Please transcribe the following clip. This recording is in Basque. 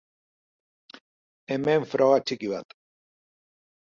Hemen froga txiki bat.